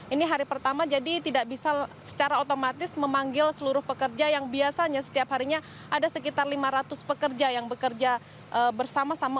ini hari pertama jadi tidak bisa secara otomatis memanggil seluruh pekerja yang biasanya setiap harinya ada sekitar lima ratus pekerja yang bekerja bersama sama